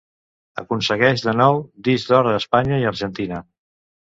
Aconsegueix de nou Disc d'Or a Espanya i Argentina.